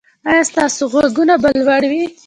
ایا ستاسو غرونه به لوړ وي؟